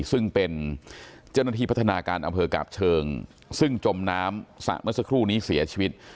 ซึ่งเป็นเจ้าหน้าที่พัฒนาการอำเภอกาบเชิงซึ่งจมน้ำสระเมื่อสักครู่นี้เสียชีวิต